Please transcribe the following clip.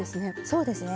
そうですね